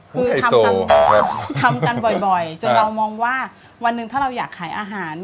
คือทำกันบ่อยจนเรามองว่าวันหนึ่งถ้าเราอยากขายอาหาร